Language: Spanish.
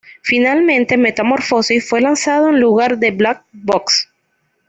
Finalmente "Metamorphosis" fue lanzado en lugar de "Black Box".